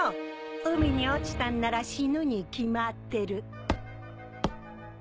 海に落ちたんなら死ぬに決まってる。